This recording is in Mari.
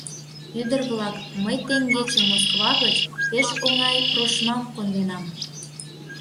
— Ӱдыр-влак, мый теҥгече Москва гыч пеш оҥай прошмам конденам.